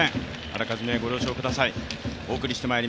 あらかじめご了承ください。